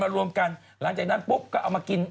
รวมกันหลังจากนั้นปุ๊บก็เอามากิน